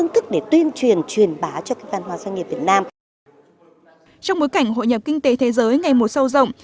trong bối cảnh hội nhập kinh tế thế giới ngày mùa sâu rộng